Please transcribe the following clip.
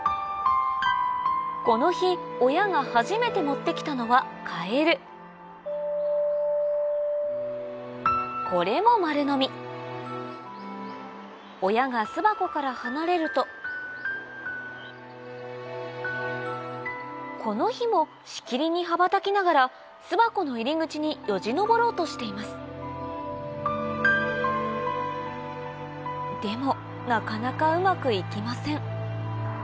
この日親が初めて持ってきたのはカエルこれも丸のみ親が巣箱から離れるとこの日もしきりに羽ばたきながら巣箱の入り口によじ登ろうとしていますでもなかなかうまくいきません